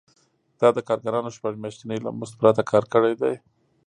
دا کارګرانو شپږ میاشتې له مزد پرته کار کړی دی